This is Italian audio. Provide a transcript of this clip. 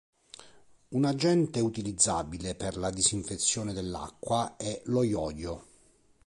Un agente utilizzabile per la disinfezione dell'acqua è lo iodio.